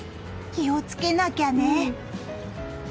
気をつけなきゃね。